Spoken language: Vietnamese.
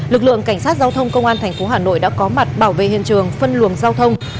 lực lượng cảnh sát giao thông công an thành phố hà nội đã có mặt bảo vệ hiện trường phân luồng giao thông